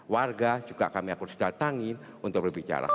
warga juga kami akan datangin untuk berbicara